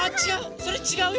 それちがうよ！